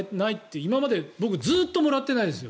今まで僕ずっともらってないですよ。